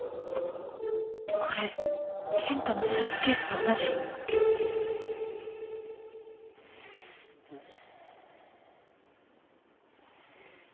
これ健太のスーツケースと同じんっ。